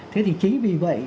thế thì chính vì vậy